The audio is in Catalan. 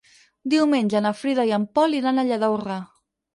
Diumenge na Frida i en Pol iran a Lladorre.